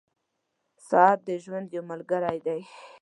• ساعت د ژوند یو ملګری دی.